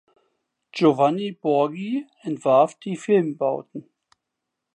Giovanni Borghi entwarf die Filmbauten.